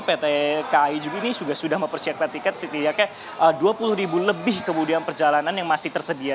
pt kai juga ini sudah mempersiapkan tiket setidaknya dua puluh ribu lebih kemudian perjalanan yang masih tersedia